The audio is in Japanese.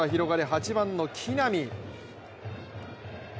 ８番の木浪。